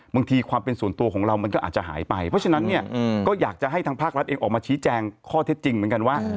บางทีความเป็นส่วนตัวของเรามันก็อาจจะหายไปเพราะฉะนั้นเนี่ยก็อยากจะให้ทางภาครัฐเองออกมาชี้แจงข้อเท็จจริงเหมือนกันว่า